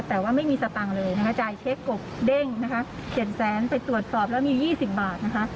แต่ว่าไม่มีสตังค์เลยนะคะจ่ายเช็คกบเด้งนะคะเขียนแสนไปตรวจสอบแล้วมี๒๐บาทนะคะ